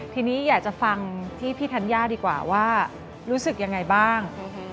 ทีนี้อยากจะฟังที่พี่ธัญญาดีกว่าว่ารู้สึกยังไงบ้าง